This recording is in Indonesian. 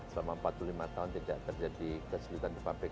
selama empat puluh lima tahun tidak terjadi kesulitan di pabrik